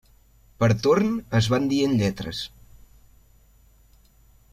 Per torn, es van dient lletres.